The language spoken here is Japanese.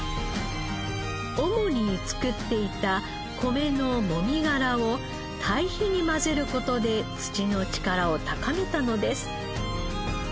主に作っていた米のもみがらを堆肥に混ぜる事で土の力を高めたのです。